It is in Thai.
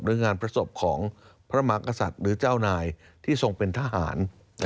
งานประสบของพระมากษัตริย์หรือเจ้านายที่ทรงเป็นทหาร